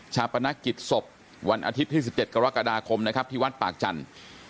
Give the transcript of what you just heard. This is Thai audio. ปนักกิจศพวันอาทิตย์ที่๑๗กรกฎาคมนะครับที่วัดปากจันทร์